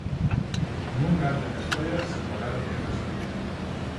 Nunca antes na historia se pagara un prezo así.